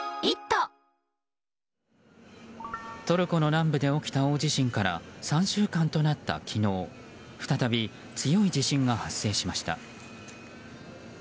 トルコの南部で起きた大地震から３週間となった昨日再び強い地震が発生しました。